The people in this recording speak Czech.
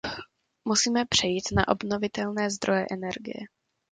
Musíme přejít na obnovitelné zdroje energie.